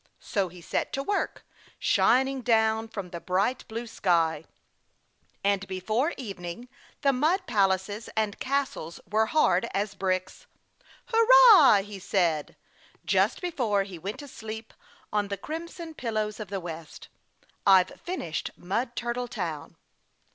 So he set to work, shining down from the bright blue sky, and before evening the mud palaces and castles were hard as bricks. "Hurrah!" he said, just before he went to sleep on the crimson pillows of the West, "I've finished Mud Turtle Town!"